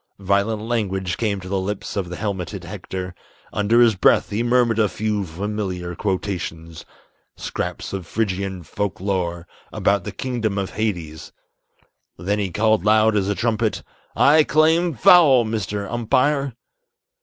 Violent language came to the lips of the helmeted Hector, Under his breath he murmured a few familiar quotations, Scraps of Phrygian folk lore about the kingdom of Hades; Then he called loud as a trumpet, "I claim foul, Mr. Umpire!"